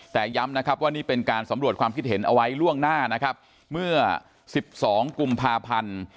แต่ย้ำนะครับว่านี่เป็นการสำรวจความคิดเห็นเอาไว้ล่วงหน้านะครับเมื่อ๑๒กุมภาพันธ์